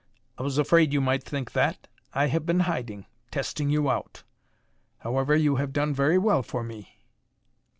"I was afraid you might think that. I have been hiding testing you out. However, you have done very well for me."